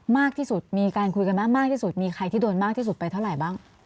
มากที่สุดมีการคุยกันไหมมากที่สุดมีใครที่โดนมากที่สุดไปเท่าไหร่บ้าง